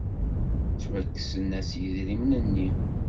Ttwakksen-as yidrimen-nni.